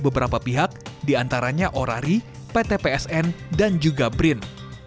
beberapa pihak diantaranya orari pt psn dan juga brin